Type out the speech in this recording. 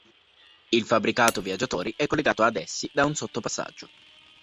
Il fabbricato viaggiatori è collegato ad essi da un sottopassaggio.